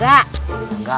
ayah daun saga